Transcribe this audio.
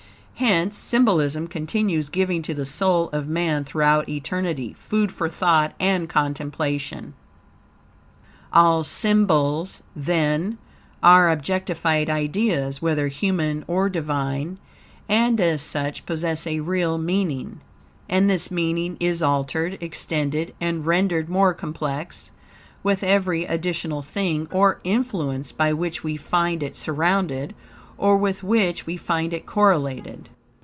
Hence, symbolism continues giving to the soul of man, throughout eternity, food for thought and contemplation. All symbols, then, are objectified ideas, whether human or Divine; and as such possess a real meaning; and this meaning is altered, extended and rendered more complex with every additional thing or influence by which we find it surrounded, or with which, we find it correlated.